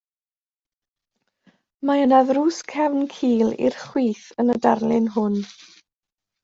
Mae yna ddrws cefn cul i'r chwith yn y darlun hwn.